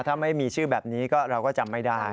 ถ้าไม่มีชื่อแบบนี้ก็เราก็จำไม่ได้